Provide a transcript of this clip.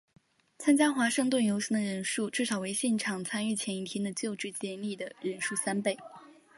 参与华盛顿游行的人数至少为现场参与前一天就职典礼的人数三倍。